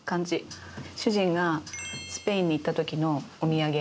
主人がスペインに行った時のお土産。